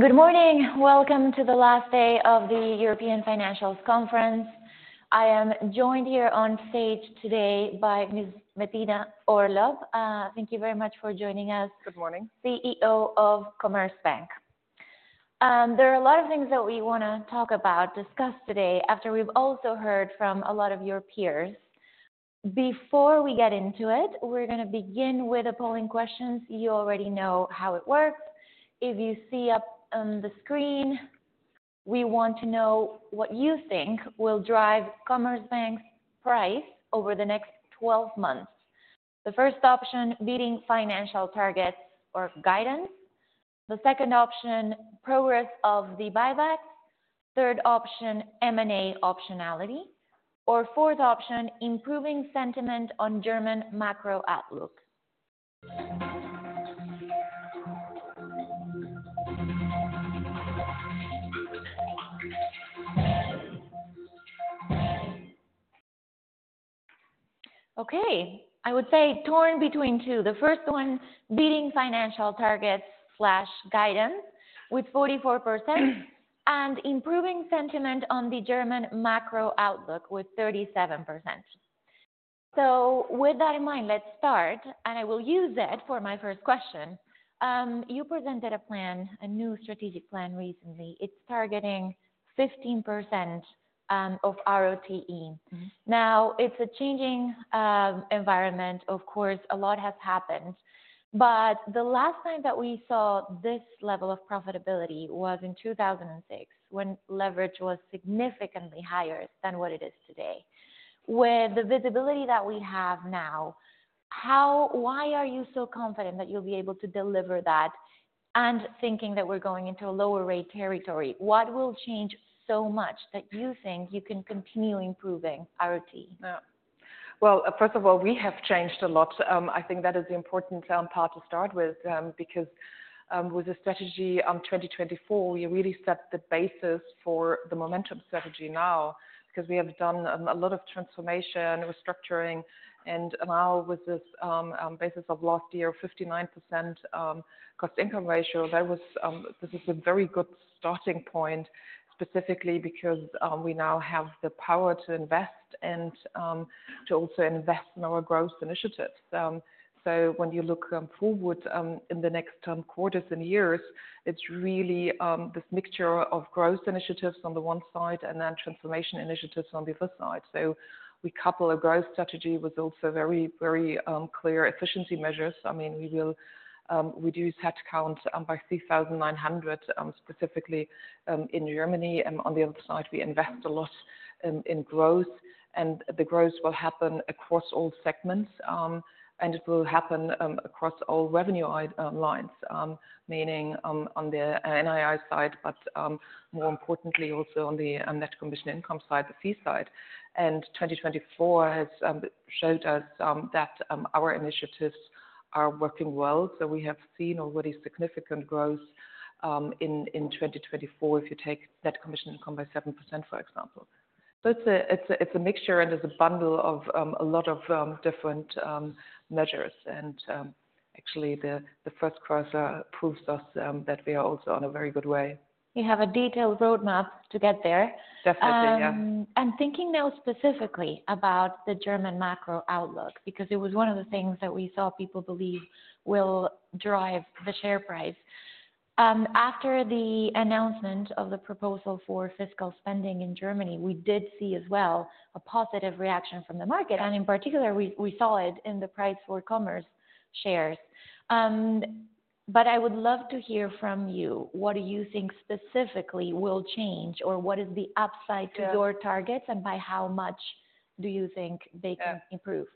Good morning. Welcome to the last day of the European Financials Conference. I am joined here on stage today by Ms. Bettina Orlopp. Thank you very much for joining us. Good morning. CEO of Commerzbank. There are a lot of things that we want to talk about, discuss today after we've also heard from a lot of your peers. Before we get into it, we're going to begin with a polling question. You already know how it works. If you see up on the screen, we want to know what you think will drive Commerzbank's price over the next 12 months. The first option: beating financial targets or guidance. The second option: progress of the buybacks. Third option: M&A optionality. Fourth option: improving sentiment on German macro outlook. Okay. I would say torn between two. The first one: beating financial targets/guidance with 44%, and improving sentiment on the German macro outlook with 37%. With that in mind, let's start, and I will use that for my first question. You presented a plan, a new strategic plan recently. It's targeting 15% of ROTE. Now, it's a changing environment. Of course, a lot has happened. The last time that we saw this level of profitability was in 2006, when leverage was significantly higher than what it is today. With the visibility that we have now, why are you so confident that you'll be able to deliver that, and thinking that we're going into a lower rate territory? What will change so much that you think you can continue improving ROTE? First of all, we have changed a lot. I think that is the important part to start with, because with the strategy on 2024, we really set the basis for the momentum strategy now, because we have done a lot of transformation, restructuring. Now, with this basis of last year of 59% cost/income ratio, this is a very good starting point, specifically because we now have the power to invest and to also invest in our growth initiatives. When you look forward in the next quarters and years, it's really this mixture of growth initiatives on the one side and then transformation initiatives on the other side. We couple a growth strategy with also very, very clear efficiency measures. I mean, we will reduce headcount by 3,900, specifically in Germany. On the other side, we invest a lot in growth. The growth will happen across all segments, and it will happen across all revenue lines, meaning on the NII side, but more importantly, also on the net commission income side, the fee side. 2024 has showed us that our initiatives are working well. We have seen already significant growth in 2024, if you take net commission income by 7%, for example. It is a mixture, and it is a bundle of a lot of different measures. Actually, the first quarter proves us that we are also on a very good way. You have a detailed roadmap to get there. Definitely, yes. Thinking now specifically about the German macro outlook, because it was one of the things that we saw people believe will drive the share price. After the announcement of the proposal for fiscal spending in Germany, we did see as well a positive reaction from the market. In particular, we saw it in the price for Commerzbank shares. I would love to hear from you. What do you think specifically will change, or what is the upside to your targets, and by how much do you think they can improve?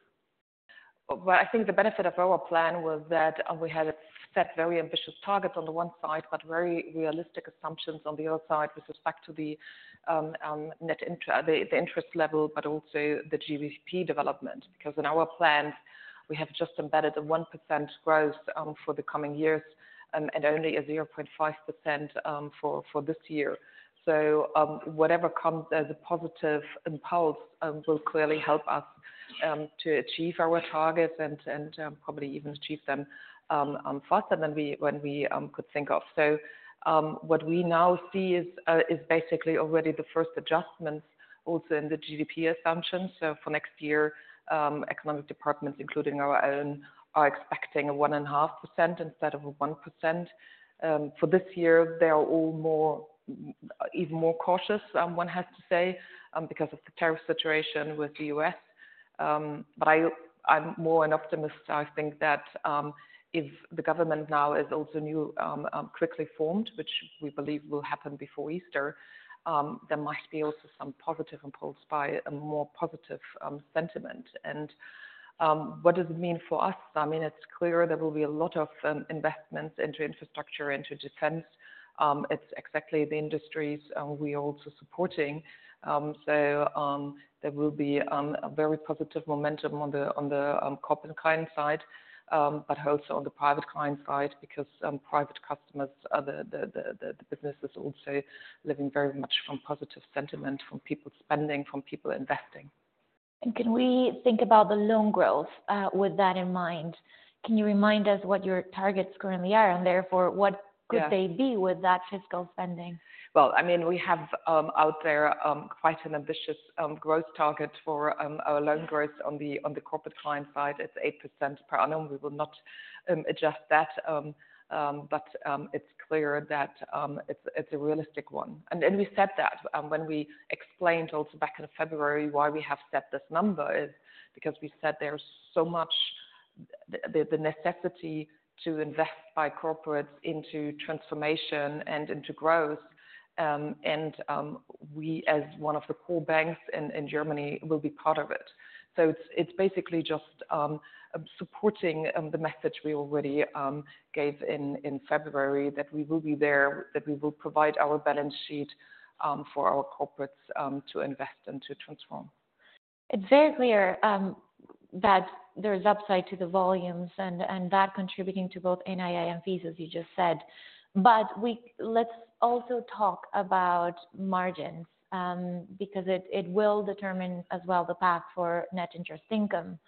I think the benefit of our plan was that we had set very ambitious targets on the one side, but very realistic assumptions on the other side with respect to the net interest level, but also the GDP development. Because in our plans, we have just embedded a 1% growth for the coming years and only a 0.5% for this year. Whatever comes as a positive impulse will clearly help us to achieve our targets and probably even achieve them faster than we could think of. What we now see is basically already the first adjustments also in the GDP assumptions. For next year, economic departments, including our own, are expecting a 1.5% instead of a 1%. For this year, they are all even more cautious, one has to say, because of the tariff situation with the U.S. I am more an optimist. I think that if the government now is also new, quickly formed, which we believe will happen before Easter, there might be also some positive impulse by a more positive sentiment. What does it mean for us? I mean, it's clear there will be a lot of investments into infrastructure, into defense. It's exactly the industries we are also supporting. There will be a very positive momentum on the corporate client side, but also on the private client side, because private customers, the businesses, also living very much from positive sentiment from people spending, from people investing. Can we think about the loan growth with that in mind? Can you remind us what your targets currently are, and therefore what could they be with that fiscal spending? I mean, we have out there quite an ambitious growth target for our loan growth on the corporate client side. It's 8% per annum. We will not adjust that. It is clear that it's a realistic one. We said that when we explained also back in February why we have set this number, is because we said there is so much the necessity to invest by corporates into transformation and into growth. We, as one of the core banks in Germany, will be part of it. It is basically just supporting the message we already gave in February that we will be there, that we will provide our balance sheet for our corporates to invest and to transform. It's very clear that there is upside to the volumes and that contributing to both NII and fees, as you just said. Let's also talk about margins, because it will determine as well the path for net interest income.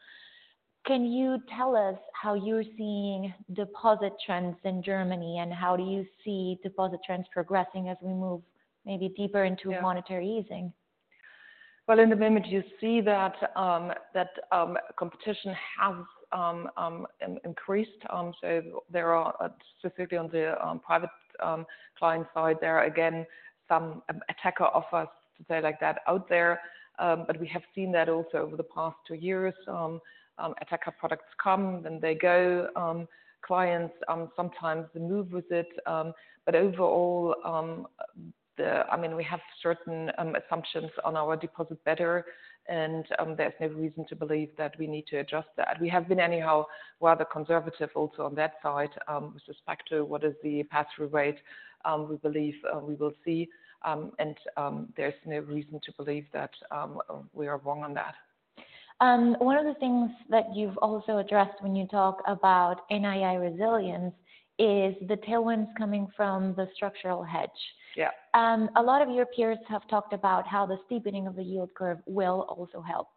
Can you tell us how you're seeing deposit trends in Germany, and how do you see deposit trends progressing as we move maybe deeper into monetary easing? In the moment, you see that competition has increased. There are, specifically on the private client side, again some attacker offers, to say it like that, out there. We have seen that also over the past two years. Attacker products come, then they go. Clients sometimes move with it. Overall, I mean, we have certain assumptions on our deposit beta, and there's no reason to believe that we need to adjust that. We have been anyhow rather conservative also on that side, with respect to what is the pass-through rate we believe we will see. There's no reason to believe that we are wrong on that. One of the things that you've also addressed when you talk about NII resilience is the tailwinds coming from the structural hedge. Yeah. A lot of your peers have talked about how the steepening of the yield curve will also help.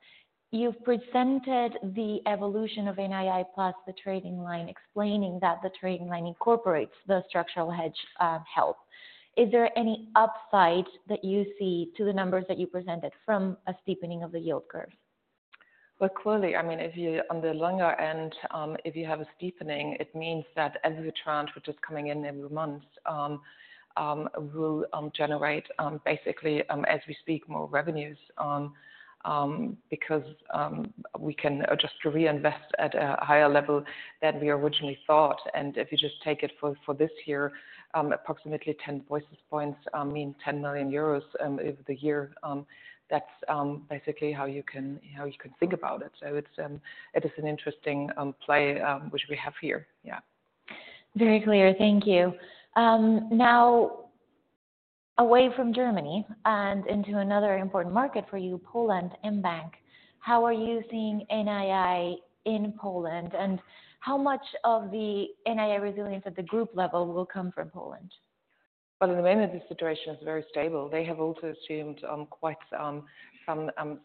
You have presented the evolution of NII plus the trading line, explaining that the trading line incorporates the structural hedge help. Is there any upside that you see to the numbers that you presented from a steepening of the yield curve? Clearly, I mean, on the longer end, if you have a steepening, it means that as we have a tranche which is coming in every month, we will generate, basically, as we speak, more revenues, because we can just reinvest at a higher level than we originally thought. If you just take it for this year, approximately 10 basis points mean 10 million euros over the year. That is basically how you can think about it. It is an interesting play which we have here. Yeah. Very clear. Thank you. Now, away from Germany and into another important market for you, Poland, mBank. How are you seeing NII in Poland, and how much of the NII resilience at the group level will come from Poland? In the moment, the situation is very stable. They have also assumed quite some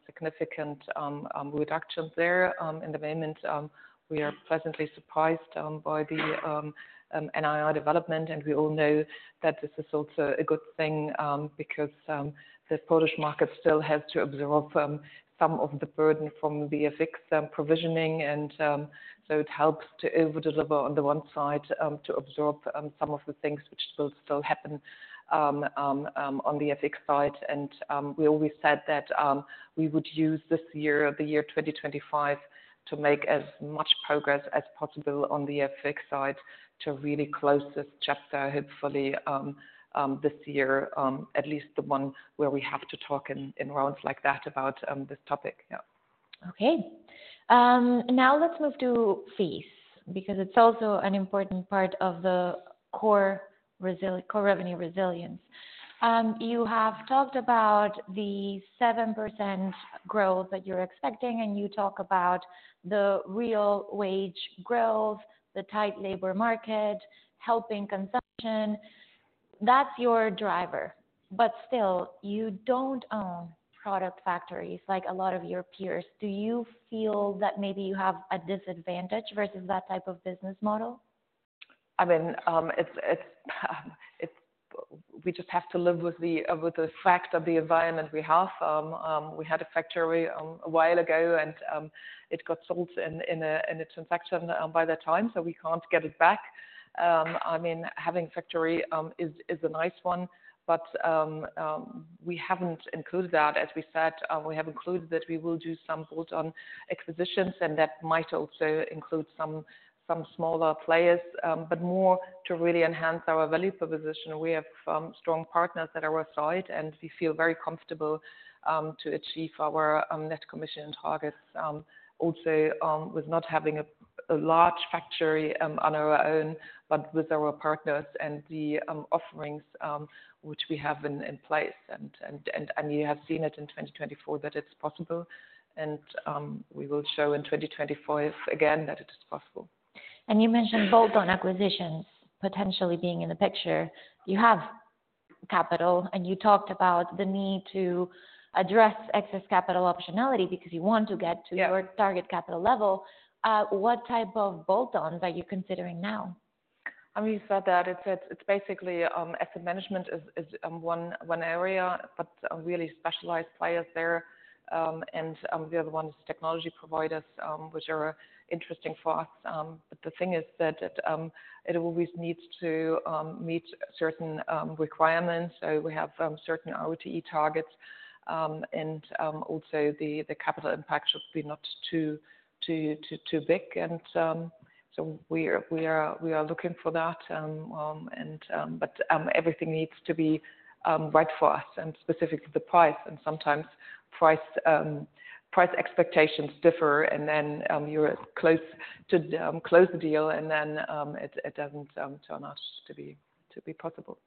significant reductions there. In the moment, we are pleasantly surprised by the NII development. We all know that this is also a good thing, because the Polish market still has to absorb some of the burden from the FX provisioning. It helps to overdeliver on the one side, to absorb some of the things which will still happen on the FX side. We always said that we would use this year, the year 2025, to make as much progress as possible on the FX side to really close this chapter, hopefully, this year, at least the one where we have to talk in rounds like that about this topic. Yeah. Okay. Now let's move to fees, because it's also an important part of the core revenue resilience. You have talked about the 7% growth that you're expecting, and you talk about the real wage growth, the tight labor market, helping consumption. That's your driver. Still, you don't own product factories like a lot of your peers. Do you feel that maybe you have a disadvantage versus that type of business model? I mean, we just have to live with the fact of the environment we have. We had a factory a while ago, and it got sold in a transaction by that time, so we can't get it back. I mean, having a factory is a nice one, but we haven't included that. As we said, we have included that we will do some bolt-on acquisitions, and that might also include some smaller players. More to really enhance our value proposition, we have strong partners at our side, and we feel very comfortable to achieve our net commission targets, also with not having a large factory on our own, but with our partners and the offerings which we have in place. You have seen it in 2024 that it's possible, and we will show in 2025 again that it is possible. You mentioned bolt-on acquisitions potentially being in the picture. You have capital, and you talked about the need to address excess capital optionality because you want to get to your target capital level. What type of bolt-ons are you considering now? I mean, you said that. It's basically asset management is one area, but really specialized players there. The other one is technology providers, which are interesting for us. The thing is that it always needs to meet certain requirements. We have certain ROTE targets, and also the capital impact should be not too big. We are looking for that. Everything needs to be right for us, and specifically the price. Sometimes price expectations differ, and then you close the deal, and then it doesn't turn out to be possible.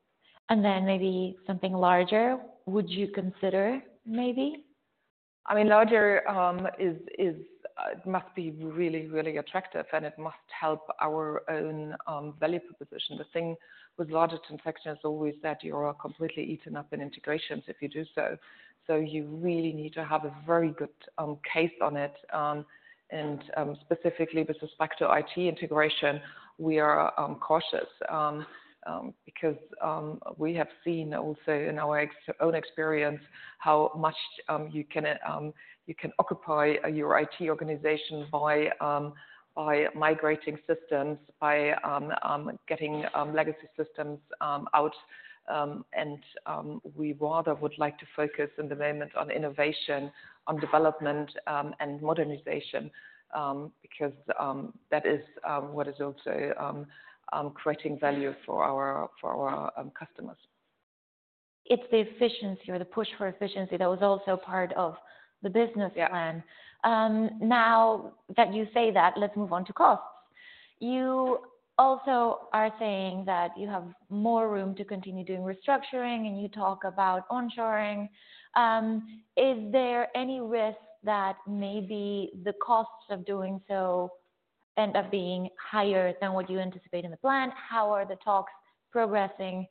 Maybe something larger, would you consider maybe? I mean, larger must be really, really attractive, and it must help our own value proposition. The thing with larger transactions is always that you are completely eaten up in integrations if you do so. You really need to have a very good case on it. Specifically with respect to IT integration, we are cautious, because we have seen also in our own experience how much you can occupy your IT organization by migrating systems, by getting legacy systems out. We rather would like to focus in the moment on innovation, on development, and modernization, because that is what is also creating value for our customers. It's the efficiency or the push for efficiency that was also part of the business plan. Now that you say that, let's move on to costs. You also are saying that you have more room to continue doing restructuring, and you talk about onshoring. Is there any risk that maybe the costs of doing so end up being higher than what you anticipate in the plan? How are the talks progressing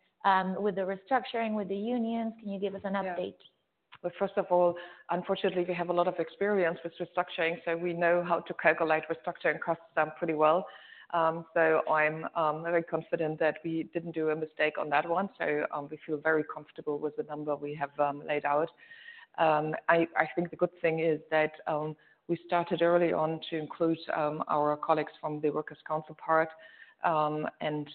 with the restructuring, with the unions? Can you give us an update? First of all, unfortunately, we have a lot of experience with restructuring, so we know how to calculate restructuring costs pretty well. I am very confident that we did not do a mistake on that one. We feel very comfortable with the number we have laid out. I think the good thing is that we started early on to include our colleagues from the Works Council part, and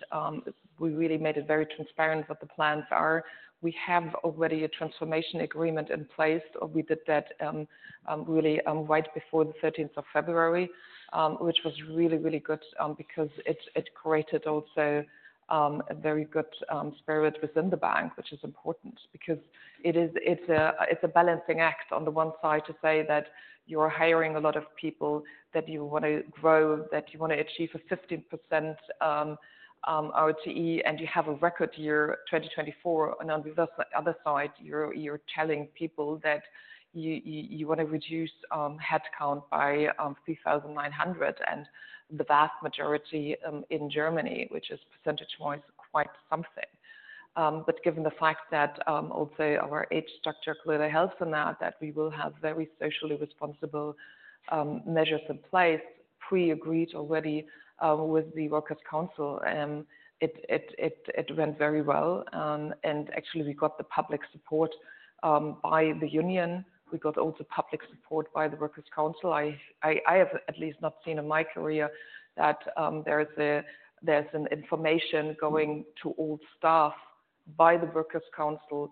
we really made it very transparent what the plans are. We have already a transformation agreement in place. We did that really right before the 13th of February, which was really, really good, because it created also a very good spirit within the bank, which is important, because it's a balancing act on the one side to say that you're hiring a lot of people, that you want to grow, that you want to achieve a 15% ROTE, and you have a record year 2024. On the other side, you're telling people that you want to reduce headcount by 3,900. The vast majority in Germany, which is percentage-wise, quite something. Given the fact that also our age structure clearly helps in that, that we will have very socially responsible measures in place, pre-agreed already with the Works Council, it went very well. Actually, we got the public support by the union. We got also public support by the Works Council. I have at least not seen in my career that there's an information going to old staff by the Works Council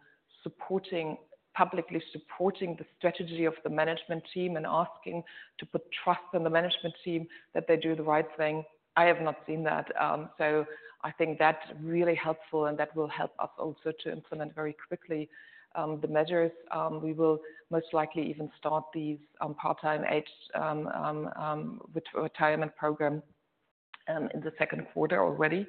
publicly supporting the strategy of the management team and asking to put trust in the management team that they do the right thing. I have not seen that. I think that's really helpful, and that will help us also to implement very quickly the measures. We will most likely even start these part-time age retirement programs in the second quarter already.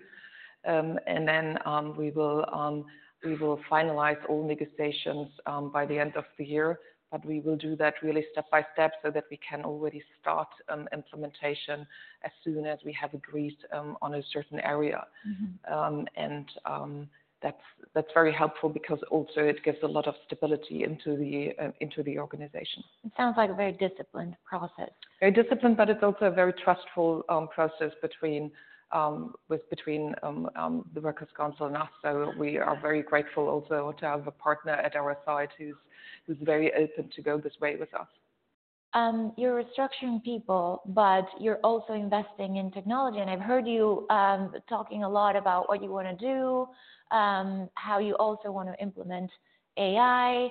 We will finalize all negotiations by the end of the year. We will do that really step by step so that we can already start implementation as soon as we have agreed on a certain area. That is very helpful, because also it gives a lot of stability into the organization. It sounds like a very disciplined process. Very disciplined, but it's also a very trustful process between the Works Council and us. We are very grateful also to have a partner at our side who's very open to go this way with us. You're restructuring people, but you're also investing in technology. I've heard you talking a lot about what you want to do, how you also want to implement AI.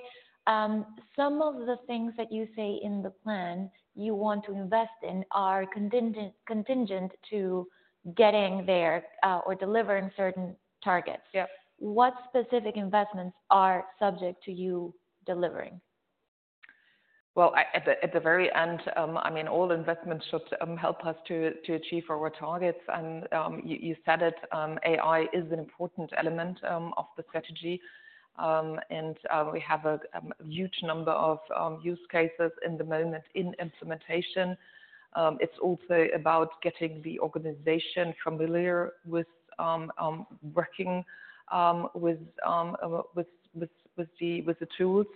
Some of the things that you say in the plan you want to invest in are contingent to getting there or delivering certain targets. Yeah. What specific investments are subject to you delivering? At the very end, I mean, all investments should help us to achieve our targets. You said it, AI is an important element of the strategy. We have a huge number of use cases in the moment in implementation. It's also about getting the organization familiar with working with the tools.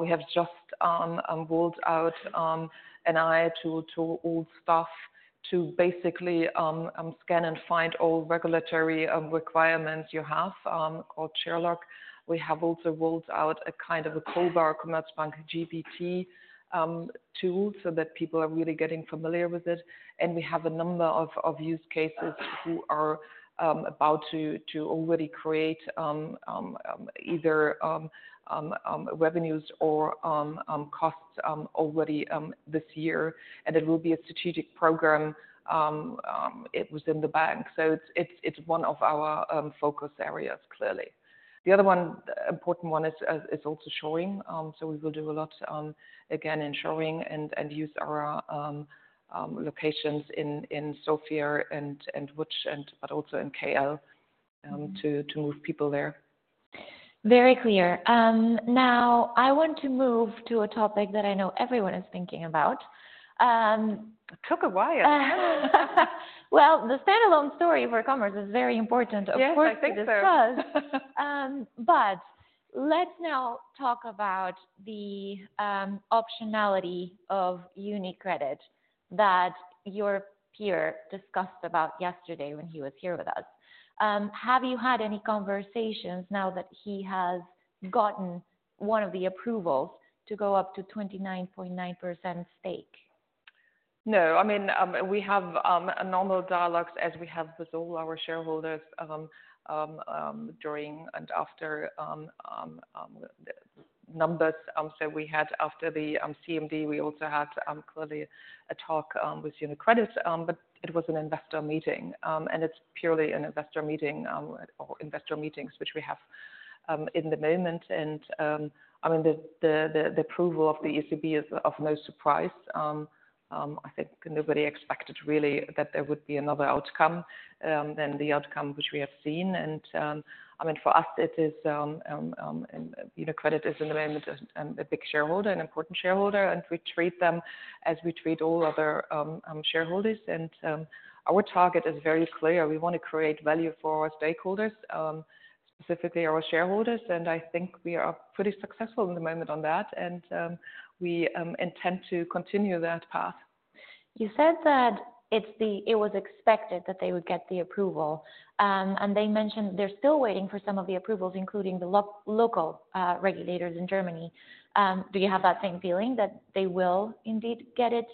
We have just rolled out an AI tool to all staff to basically scan and find all regulatory requirements you have called Sherlock. We have also rolled out a kind of a cobaGPT tool so that people are really getting familiar with it. We have a number of use cases who are about to already create either revenues or costs already this year. It will be a strategic program within the bank. It is one of our focus areas, clearly. The other important one is also shoring. We will do a lot, again, in shoring and use our locations in Sofia and Łódź, but also in KL to move people there. Very clear. Now, I want to move to a topic that I know everyone is thinking about. It took a while. The standalone story for Commerzbank is very important, of course. Yes, I think so. Let's now talk about the optionality of UniCredit that your peer discussed about yesterday when he was here with us. Have you had any conversations now that he has gotten one of the approvals to go up to 29.9% stake? No. I mean, we have normal dialogues as we have with all our shareholders during and after the numbers that we had after the CMD. We also had clearly a talk with UniCredit, but it was an investor meeting. It is purely an investor meeting or investor meetings, which we have in the moment. I mean, the approval of the ECB is of no surprise. I think nobody expected really that there would be another outcome than the outcome which we have seen. I mean, for us, UniCredit is in the moment a big shareholder, an important shareholder, and we treat them as we treat all other shareholders. Our target is very clear. We want to create value for our stakeholders, specifically our shareholders. I think we are pretty successful in the moment on that, and we intend to continue that path. You said that it was expected that they would get the approval. They mentioned they're still waiting for some of the approvals, including the local regulators in Germany. Do you have that same feeling that they will indeed get it,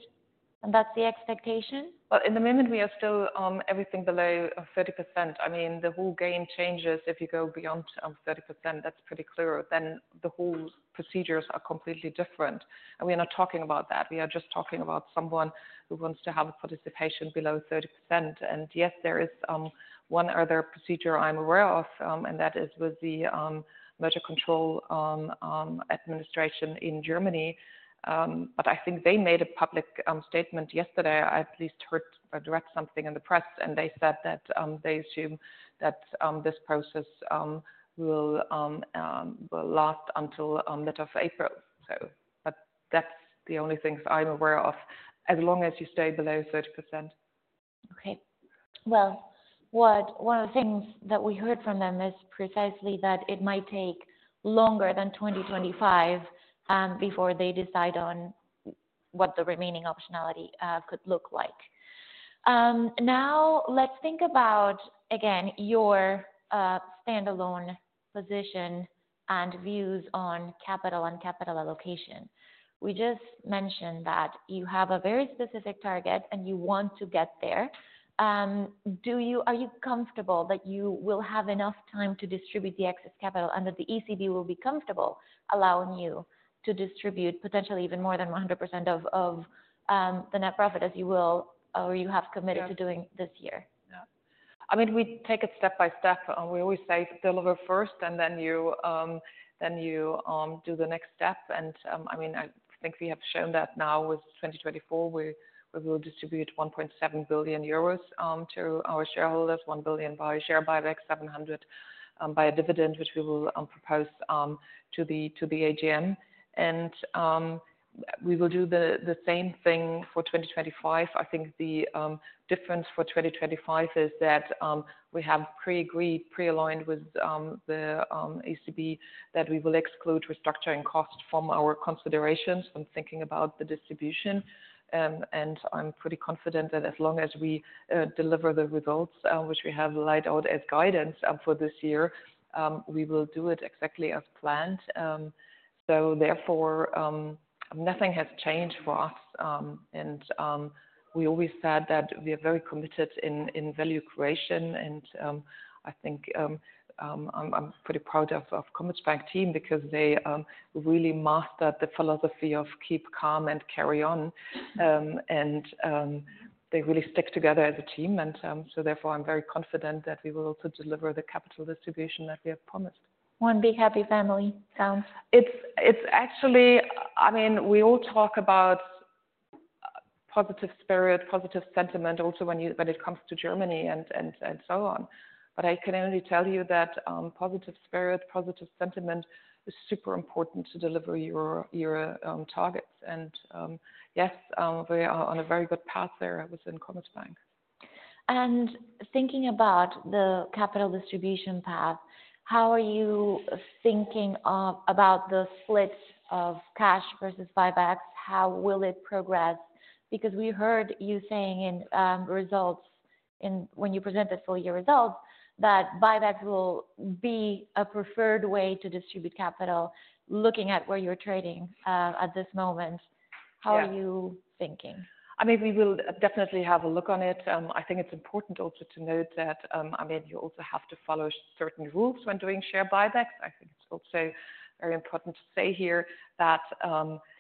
and that's the expectation? In the moment, we are still everything below 30%. I mean, the whole game changes if you go beyond 30%. That is pretty clear. The whole procedures are completely different. We are not talking about that. We are just talking about someone who wants to have participation below 30%. Yes, there is one other procedure I am aware of, and that is with the Federal Cartel Office in Germany. I think they made a public statement yesterday. I at least read something in the press, and they said that they assume that this process will last until mid-April. That is the only thing I am aware of, as long as you stay below 30%. Okay. One of the things that we heard from them is precisely that it might take longer than 2025 before they decide on what the remaining optionality could look like. Now, let's think about, again, your standalone position and views on capital and capital allocation. We just mentioned that you have a very specific target, and you want to get there. Are you comfortable that you will have enough time to distribute the excess capital and that the ECB will be comfortable allowing you to distribute potentially even more than 100% of the net profit as you will or you have committed to doing this year? Yeah. I mean, we take it step by step. We always say deliver first, then you do the next step. I mean, I think we have shown that now with 2024, we will distribute 1.7 billion euros to our shareholders, 1 billion by share buyback, 700 by a dividend, which we will propose to the AGM. We will do the same thing for 2025. I think the difference for 2025 is that we have pre-agreed, pre-aligned with the ECB that we will exclude restructuring costs from our considerations when thinking about the distribution. I am pretty confident that as long as we deliver the results, which we have laid out as guidance for this year, we will do it exactly as planned. Therefore, nothing has changed for us. We always said that we are very committed in value creation. I think I'm pretty proud of the Commerzbank team, because they really mastered the philosophy of Keep Calm and Carry On. They really stick together as a team. Therefore, I'm very confident that we will also deliver the capital distribution that we have promised. One big happy family sounds. It's actually, I mean, we all talk about positive spirit, positive sentiment also when it comes to Germany and so on. I can only tell you that positive spirit, positive sentiment is super important to deliver your targets. Yes, we are on a very good path there within Commerzbank. Thinking about the capital distribution path, how are you thinking about the split of cash versus buybacks? How will it progress? Because we heard you saying in results when you presented for your results that buybacks will be a preferred way to distribute capital, looking at where you're trading at this moment. How are you thinking? I mean, we will definitely have a look on it. I think it's important also to note that, I mean, you also have to follow certain rules when doing share buybacks. I think it's also very important to say here that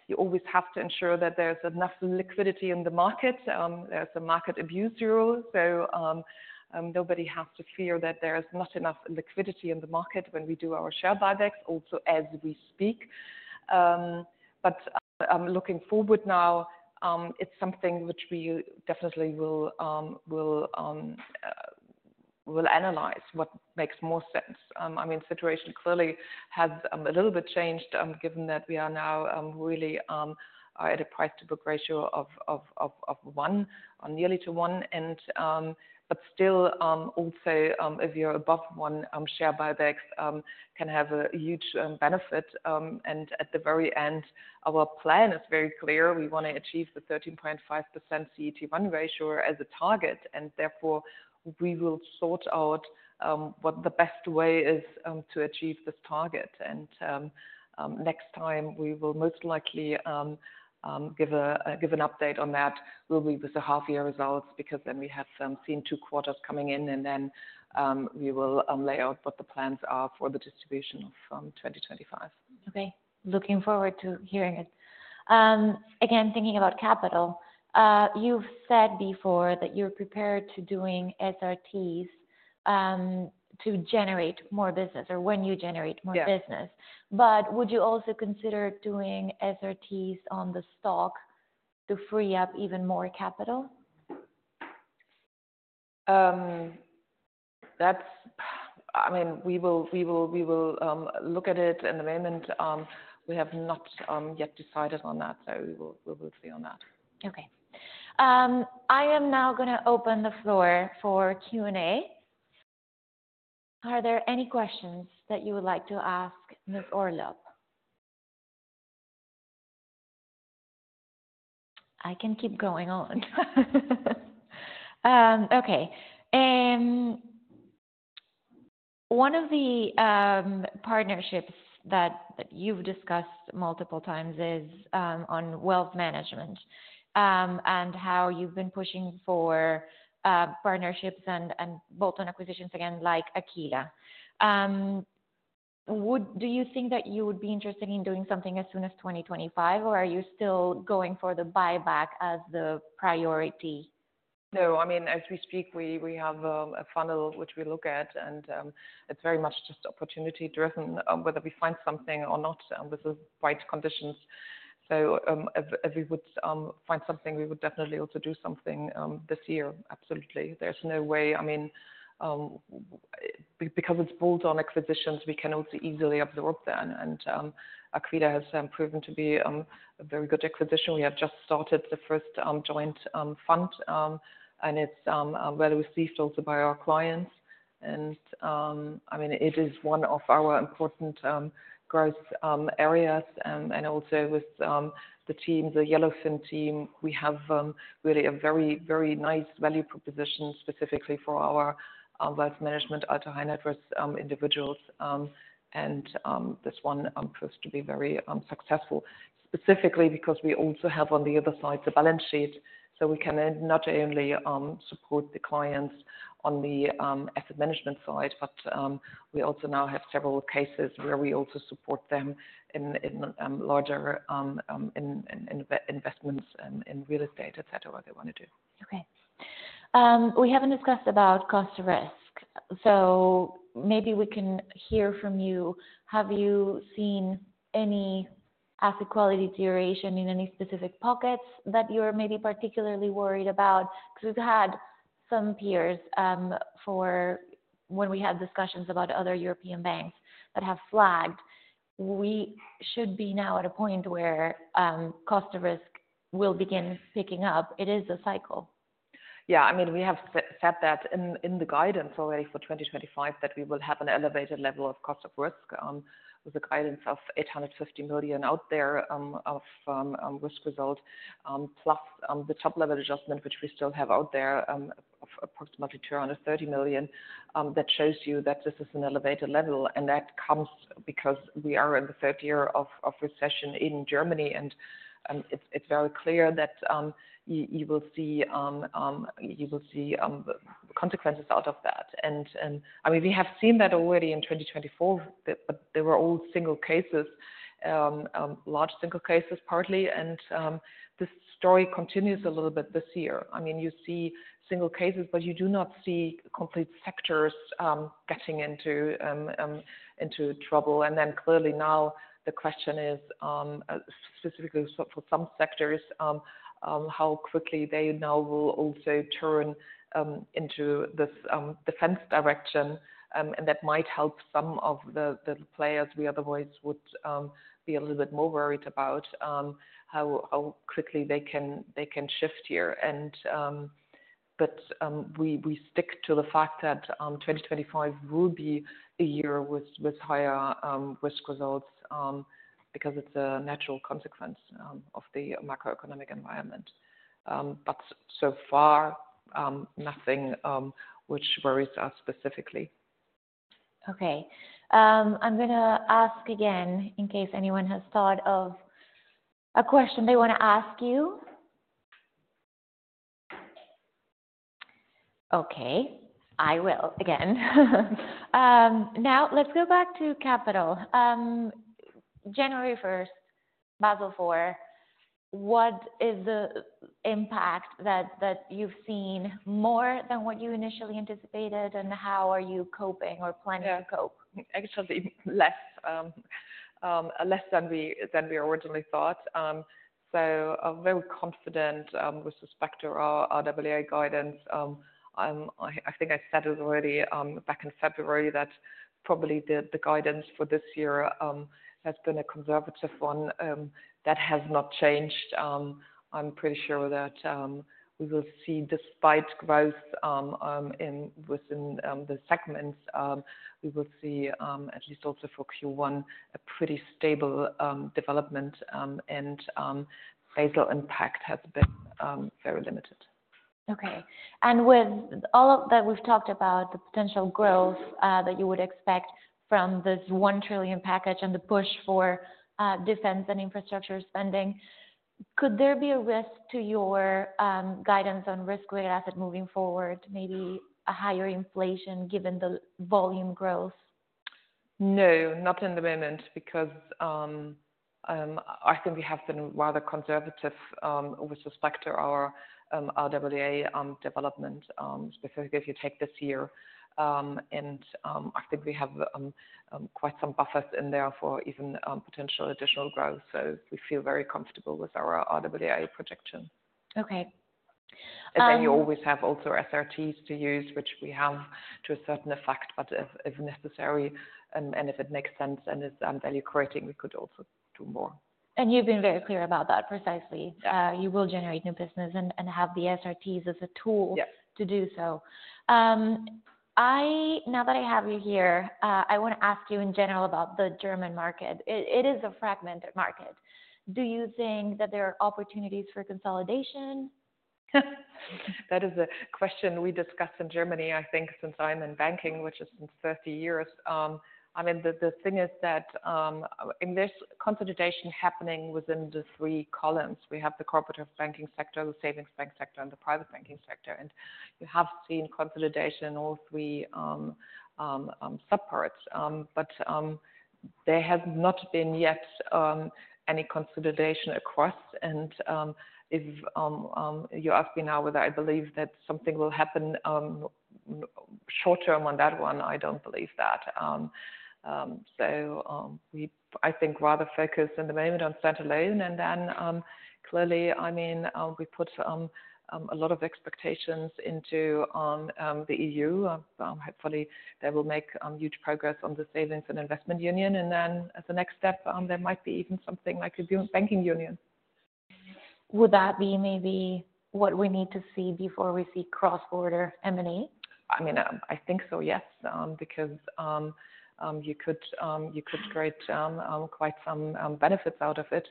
you always have to ensure that there's enough liquidity in the market. There's a market abuse rule. Nobody has to fear that there is not enough liquidity in the market when we do our share buybacks, also as we speak. Looking forward now, it's something which we definitely will analyze what makes more sense. I mean, the situation clearly has a little bit changed, given that we are now really at a price-to-book ratio of one, nearly to one. Still, also if you're above one, share buybacks can have a huge benefit. At the very end, our plan is very clear. We want to achieve the 13.5% CET1 ratio as a target. Therefore, we will sort out what the best way is to achieve this target. Next time, we will most likely give an update on that. It will be with the half-year results, because then we have seen two quarters coming in. Then we will lay out what the plans are for the distribution of 2025. Okay. Looking forward to hearing it. Again, thinking about capital, you've said before that you're prepared to doing SRTs to generate more business or when you generate more business. Would you also consider doing SRTs on the stock to free up even more capital? I mean, we will look at it in the moment. We have not yet decided on that. We will see on that. Okay. I am now going to open the floor for Q&A. Are there any questions that you would like to ask Ms. Orlopp? I can keep going on. Okay. One of the partnerships that you've discussed multiple times is on wealth management and how you've been pushing for partnerships and bolt-on acquisitions, again, like Aquila. Do you think that you would be interested in doing something as soon as 2025, or are you still going for the buyback as the priority? No. I mean, as we speak, we have a funnel which we look at. It is very much just opportunity-driven, whether we find something or not, with the right conditions. If we would find something, we would definitely also do something this year. Absolutely. There is no way. I mean, because it is bolt-on acquisitions, we can also easily absorb them. Aquila has proven to be a very good acquisition. We have just started the first joint fund, and it is well received also by our clients. I mean, it is one of our important growth areas. Also with the team, the Yellowfin team, we have really a very, very nice value proposition specifically for our wealth management, high-net-worth individuals. This one proves to be very successful, specifically because we also have on the other side the balance sheet. We can not only support the clients on the asset management side, but we also now have several cases where we also support them in larger investments in real estate, etc., what they want to do. Okay. We haven't discussed about cost of risk. Maybe we can hear from you. Have you seen any asset quality deterioration in any specific pockets that you're maybe particularly worried about? Because we've had some peers for when we had discussions about other European banks that have flagged. We should be now at a point where cost of risk will begin picking up. It is a cycle. Yeah. I mean, we have said that in the guidance already for 2025, that we will have an elevated level of cost of risk with a guidance of 850 million out there of risk result, plus the top-level adjustment, which we still have out there of approximately 230 million. That shows you that this is an elevated level. That comes because we are in the third year of recession in Germany. It is very clear that you will see consequences out of that. I mean, we have seen that already in 2024, but they were all single cases, large single cases partly. This story continues a little bit this year. I mean, you see single cases, but you do not see complete sectors getting into trouble. Clearly now the question is, specifically for some sectors, how quickly they now will also turn into this defense direction. That might help some of the players we otherwise would be a little bit more worried about, how quickly they can shift here. We stick to the fact that 2025 will be a year with higher risk results, because it is a natural consequence of the macroeconomic environment. So far, nothing which worries us specifically. Okay. I'm going to ask again in case anyone has thought of a question they want to ask you. Okay. I will again. Now, let's go back to capital. January 1st, Basel IV, what is the impact that you've seen more than what you initially anticipated, and how are you coping or planning to cope? Actually, less than we originally thought. I am very confident with respect to our RWA guidance. I think I said it already back in February that probably the guidance for this year has been a conservative one. That has not changed. I am pretty sure that we will see, despite growth within the segments, we will see, at least also for Q1, a pretty stable development. Basel impact has been very limited. Okay. With all that we've talked about, the potential growth that you would expect from this 1 trillion package and the push for defense and infrastructure spending, could there be a risk to your guidance on risk-weighted asset moving forward, maybe a higher inflation given the volume growth? No, not in the moment, because I think we have been rather conservative with respect to our RWA development, specifically if you take this year. I think we have quite some buffers in there for even potential additional growth. We feel very comfortable with our RWA projection. Okay. You always have also SRTs to use, which we have to a certain effect. If necessary, and if it makes sense and is value creating, we could also do more. You have been very clear about that, precisely. You will generate new business and have the SRTs as a tool to do so. Now that I have you here, I want to ask you in general about the German market. It is a fragmented market. Do you think that there are opportunities for consolidation? That is a question we discuss in Germany, I think, since I'm in banking, which has been 30 years. I mean, the thing is that there's consolidation happening within the three columns. We have the corporate banking sector, the savings bank sector, and the private banking sector. You have seen consolidation in all three subparts. There has not been yet any consolidation across. If you ask me now whether I believe that something will happen short term on that one, I don't believe that. I think rather focused in the moment on standalone. I mean, we put a lot of expectations into the EU. Hopefully, they will make huge progress on the Savings and Investment Union. As a next step, there might be even something like a banking union. Would that be maybe what we need to see before we see cross-border M&A? I mean, I think so, yes, because you could create quite some benefits out of it.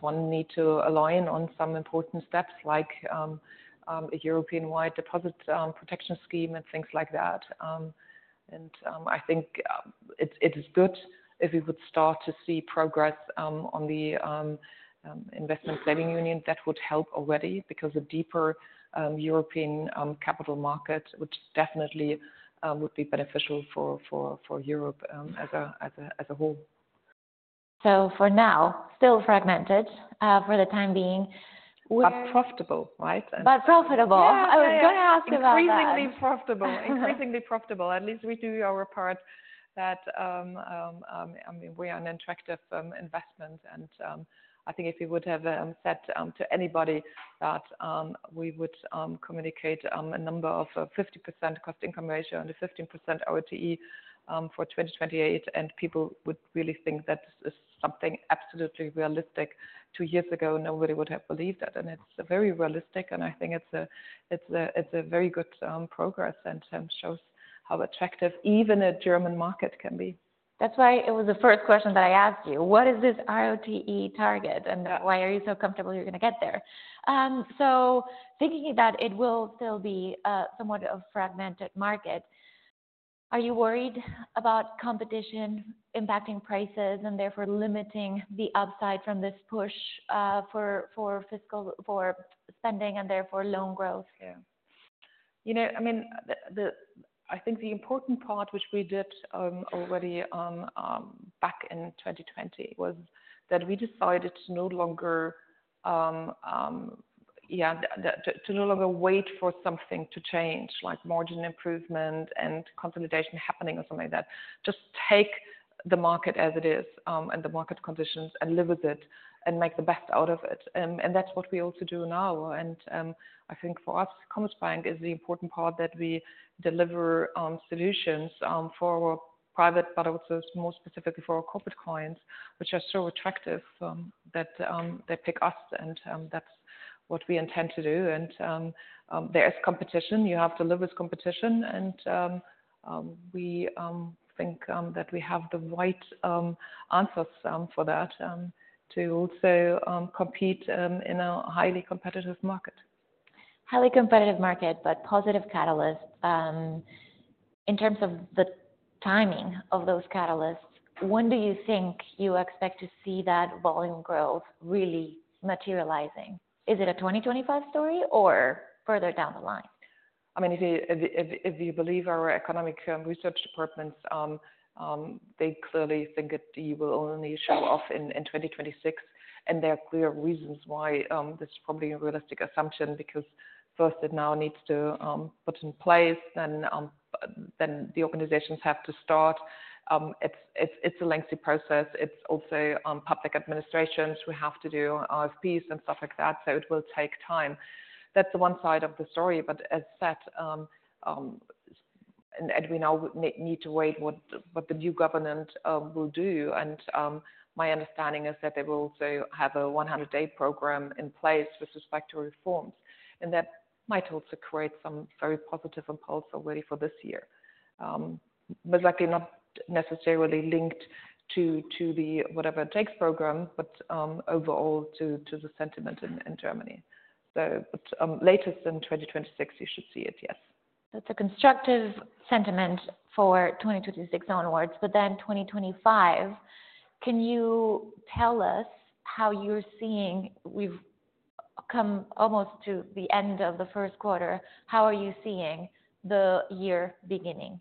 One needs to align on some important steps, like a European-wide deposit protection scheme and things like that. I think it is good if we would start to see progress on the Savings and Investment Union. That would help already, because a deeper European capital market, which definitely would be beneficial for Europe as a whole. For now, still fragmented for the time being. Profitable, right? Profitable. I was going to ask about that. Increasingly profitable. At least we do our part that, I mean, we are an attractive investment. I think if we would have said to anybody that we would communicate a number of 50% cost-to-income ratio and 15% ROTE for 2028, and people would really think that this is something absolutely realistic, two years ago, nobody would have believed that. It is very realistic. I think it is a very good progress and shows how attractive even a German market can be. That's why it was the first question that I asked you. What is this ROTE target? And why are you so comfortable you are going to get there? Thinking that it will still be somewhat of a fragmented market, are you worried about competition impacting prices and therefore limiting the upside from this push for spending and therefore loan growth here? I mean, I think the important part, which we did already back in 2020, was that we decided to no longer, yeah, to no longer wait for something to change, like margin improvement and consolidation happening or something like that. Just take the market as it is and the market conditions and live with it and make the best out of it. That is what we also do now. I think for us, Commerzbank is the important part that we deliver solutions for our private, but also more specifically for our corporate clients, which are so attractive that they pick us. That is what we intend to do. There is competition. You have to live with competition. We think that we have the right answers for that to also compete in a highly competitive market. Highly competitive market, but positive catalysts. In terms of the timing of those catalysts, when do you think you expect to see that volume growth really materializing? Is it a 2025 story or further down the line? I mean, if you believe our economic research departments, they clearly think that you will only show off in 2026. There are clear reasons why this is probably a realistic assumption, because first, it now needs to put in place. Then the organizations have to start. It's a lengthy process. It's also public administrations who have to do RFPs and stuff like that. It will take time. That's the one side of the story. As said, we now need to wait what the new government will do. My understanding is that they will also have a 100-day program in place with respect to reforms. That might also create some very positive impulse already for this year, but likely not necessarily linked to the "Whatever It Takes" program, but overall to the sentiment in Germany. Latest in 2026, you should see it, yes. That's a constructive sentiment for 2026 onwards. In 2025, can you tell us how you're seeing we've come almost to the end of the first quarter. How are you seeing the year beginning?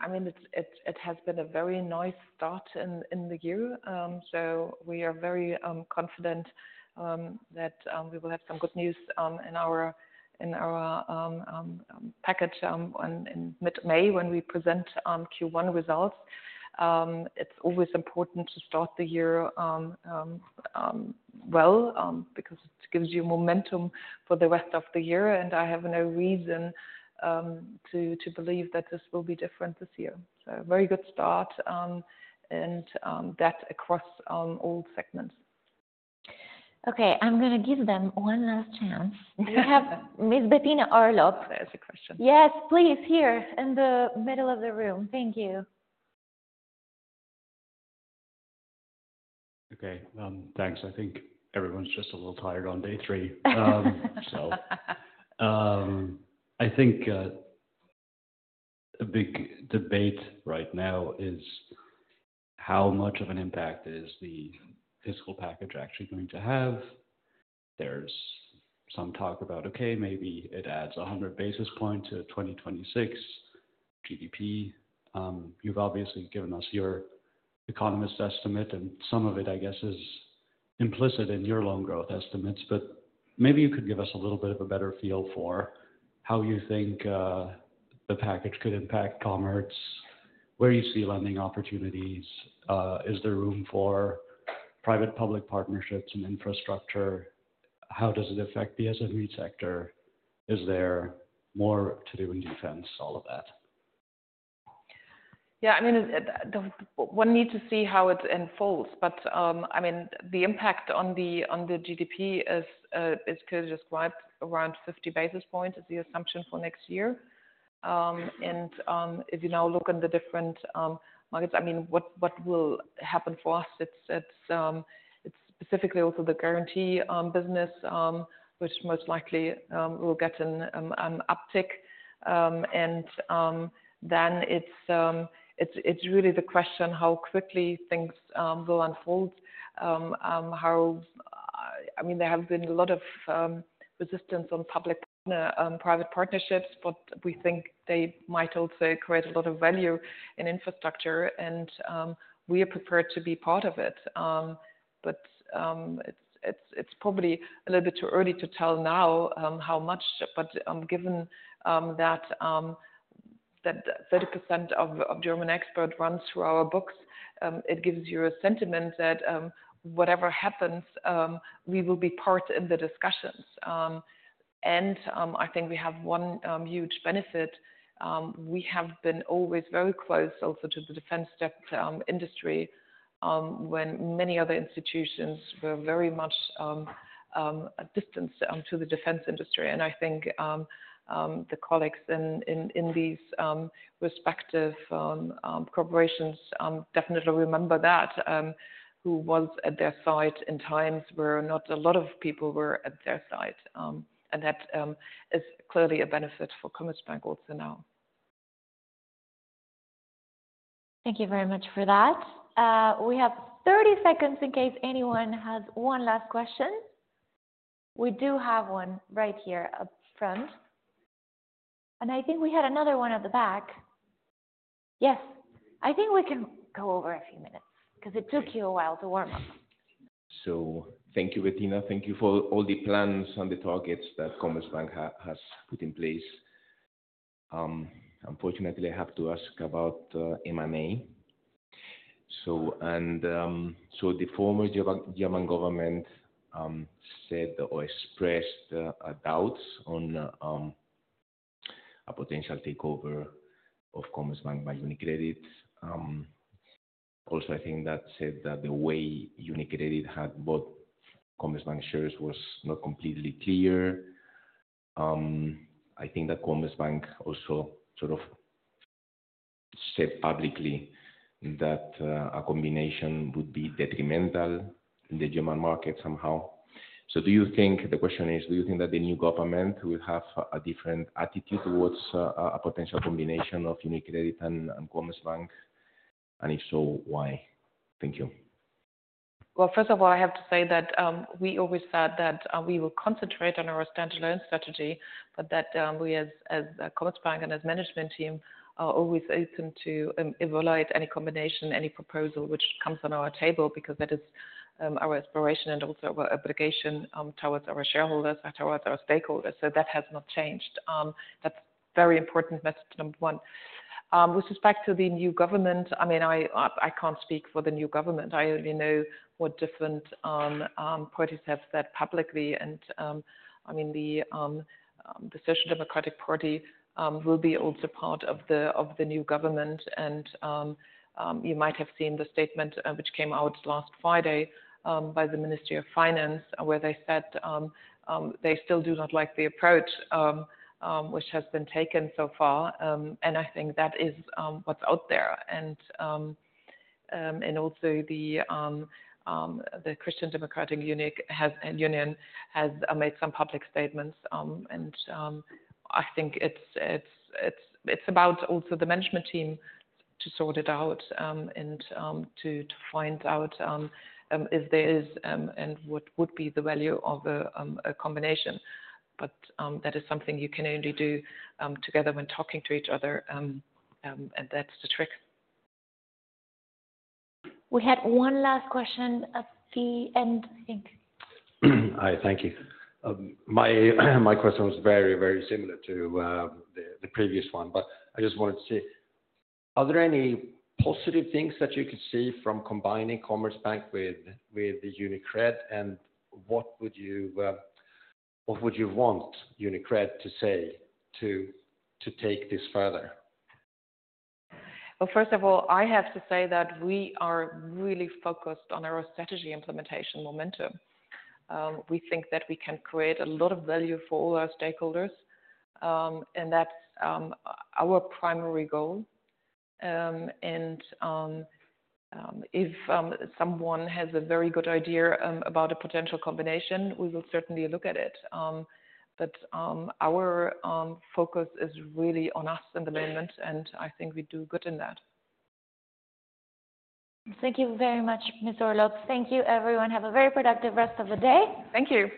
I mean, it has been a very nice start in the year. We are very confident that we will have some good news in our package in mid-May when we present Q1 results. It is always important to start the year well, because it gives you momentum for the rest of the year. I have no reason to believe that this will be different this year. A very good start. That across all segments. Okay. I'm going to give them one last chance. We have Ms. Bettina Orlopp. There's a question. Yes, please, here in the middle of the room. Thank you. Okay. Thanks. I think everyone's just a little tired on day three. I think a big debate right now is how much of an impact is the fiscal package actually going to have? There's some talk about, okay, maybe it adds 100 basis points to 2026 GDP. You've obviously given us your economist estimate. Some of it, I guess, is implicit in your loan growth estimates. Maybe you could give us a little bit of a better feel for how you think the package could impact Commerzbank, where you see lending opportunities. Is there room for private-public partnerships and infrastructure? How does it affect the SME sector? Is there more to do in defense, all of that? Yeah. I mean, we'll need to see how it unfolds. I mean, the impact on the GDP is clearly described around 50 basis points is the assumption for next year. If you now look in the different markets, I mean, what will happen for us? It's specifically also the guarantee business, which most likely will get an uptick. It is really the question how quickly things will unfold. I mean, there have been a lot of resistance on private partnerships, but we think they might also create a lot of value in infrastructure. We are prepared to be part of it. It is probably a little bit too early to tell now how much. Given that 30% of German export runs through our books, it gives you a sentiment that whatever happens, we will be part in the discussions. I think we have one huge benefit. We have been always very close also to the defense industry, when many other institutions were very much distanced to the defense industry. I think the colleagues in these respective corporations definitely remember that, who was at their side in times where not a lot of people were at their side. That is clearly a benefit for Commerzbank also now. Thank you very much for that. We have 30 seconds in case anyone has one last question. We do have one right here up front. I think we had another one at the back. Yes. I think we can go over a few minutes, because it took you a while to warm up. Thank you, Bettina. Thank you for all the plans and the targets that Commerzbank has put in place. Unfortunately, I have to ask about M&A. The former German government said or expressed doubts on a potential takeover of Commerzbank by UniCredit. Also, I think that said that the way UniCredit had bought Commerzbank shares was not completely clear. I think that Commerzbank also sort of said publicly that a combination would be detrimental in the German market somehow. Do you think the question is, do you think that the new government will have a different attitude towards a potential combination of UniCredit and Commerzbank? If so, why? Thank you. First of all, I have to say that we always said that we will concentrate on our standalone strategy, but that we as Commerzbank and as management team are always open to evaluate any combination, any proposal which comes on our table, because that is our aspiration and also our obligation towards our shareholders, towards our stakeholders. That has not changed. That is very important message, number one. With respect to the new government, I mean, I can't speak for the new government. I only know what different parties have said publicly. I mean, the Social Democratic Party will be also part of the new government. You might have seen the statement which came out last Friday by the Ministry of Finance, where they said they still do not like the approach which has been taken so far. I think that is what's out there. The Christian Democratic Union has made some public statements. I think it's about also the management team to sort it out and to find out if there is and what would be the value of a combination. That is something you can only do together when talking to each other. That's the trick. We had one last question at the end, I think. All right. Thank you. My question was very, very similar to the previous one. I just wanted to see, are there any positive things that you could see from combining Commerzbank with UniCredit? What would you want UniCredit to say to take this further? First of all, I have to say that we are really focused on our strategy implementation momentum. We think that we can create a lot of value for all our stakeholders. That is our primary goal. If someone has a very good idea about a potential combination, we will certainly look at it. Our focus is really on us in the moment. I think we do good in that. Thank you very much, Ms. Orlopp. Thank you, everyone. Have a very productive rest of the day. Thank you.